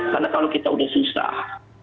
karena kalau kita udah susah